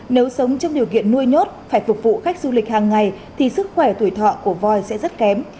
nếu sống trong điều kiện nuôi nhốt phải phục vụ khách du lịch hàng ngày thì sức khỏe tuổi thọ của voi sẽ rất kém